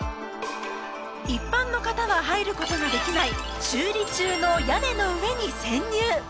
一般の方は入ることができない修理中の屋根の上に潜入！